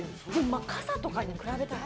傘とかに比べたら。